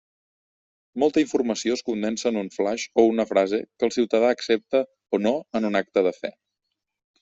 Molta informació es condensa en un flaix o una frase que el ciutadà accepta o no en un acte de fe.